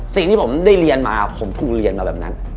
สิ่งที่ผมได้เรียนมาผมถูกเรียนมาแบบนั้น